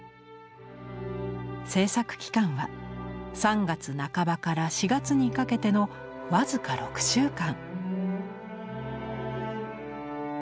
制作期間は３月半ばから４月にかけての僅か６週間。